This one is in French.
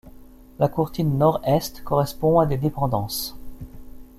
La courtine Nord-Est correspond à des dépendances.